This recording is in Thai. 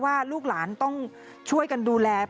ลูกหลานต้องช่วยกันดูแล